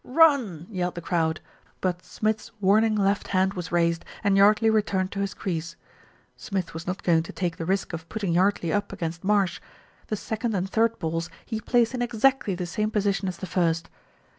"Run!" yelled the crowd; but Smith's warning left hand was raised, and Yardley returned to his crease. Smith was not going to take the risk of putting Yardley up against Marsh. The second and third balls he placed in exactly the same position as the first.